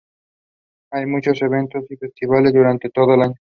Hay muchos eventos y festivales durante todo el año.